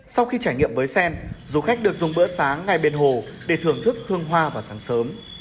sau khi trải nghiệm với sen du khách được dùng bữa sáng ngay bên hồ để thưởng thức hương hoa vào sáng sớm